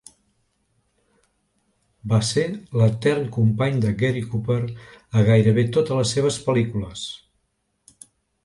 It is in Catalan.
Va ser l'etern company de Gary Cooper a gairebé totes les seves pel·lícules.